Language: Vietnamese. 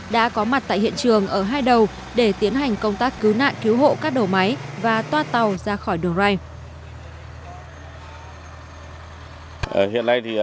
đã có mặt tại hiện trường ở hai đầu để tiến hành công tác cứu nạn cứu hộ các đầu máy và toa tàu ra khỏi đường ray